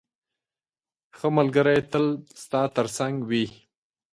ښه ملګری تل ستا تر څنګ وي.